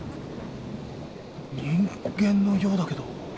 人間のようだけど。